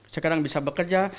sekarang bisa bekerja